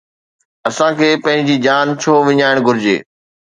اسان کي پنهنجي جان ڇو وڃائڻ گهرجي؟